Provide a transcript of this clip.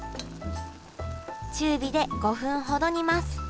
中火で５分ほど煮ます